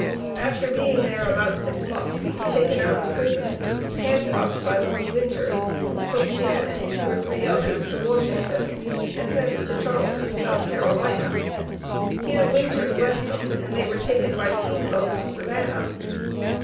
After being there about six months, he was taken out of prison, handcuffed by one Winters, who took him and two or three others to Washington and thence to Charleston, S.C. Here Winters left them, and they were taken by steamboat to Savannah.